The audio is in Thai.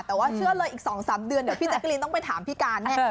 แต่ว่าเชื่อเลยอีก๒๓เดือนเดี๋ยวพี่แจ๊กรีนต้องไปถามพี่การแน่